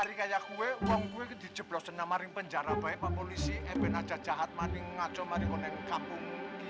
hari kaya kue wong kue ke di jeblosan sama ring penjara baik pak polisi eben aja jahat maning ngaco mari konek kampung kia